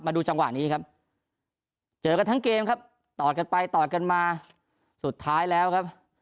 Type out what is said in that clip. ดูจังหวะนี้ครับเจอกันทั้งเกมครับตอดกันไปต่อกันมาสุดท้ายแล้วครับ